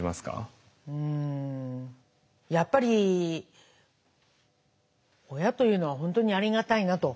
うんやっぱり親というのは本当にありがたいなと。